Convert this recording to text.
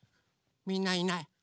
みんないない。